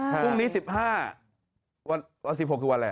พรุ่งนี้๑๕วัน๑๖คือวันอะไร